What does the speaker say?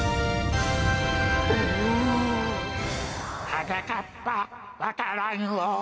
はなかっぱわか蘭を！